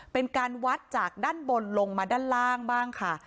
เป็นการวัดจากด้านบนลงมาด้านล่างบ้างค่ะ